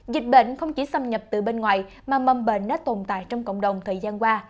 dịch bệnh không chỉ xâm nhập từ bên ngoài mà mầm bệnh đã tồn tại trong cộng đồng thời gian qua